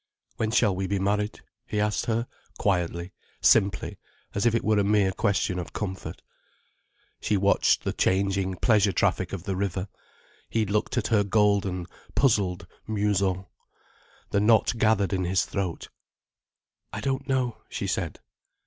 "When shall we be married?" he asked her, quietly, simply, as if it were a mere question of comfort. She watched the changing pleasure traffic of the river. He looked at her golden, puzzled museau. The knot gathered in his throat. "I don't know," she said.